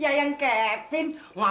ya yang captain